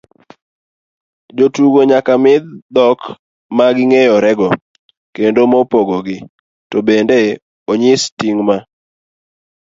jotugo nyaka mi dhok maging'eyorego kendo mapogogi, to bende onyis ting' ma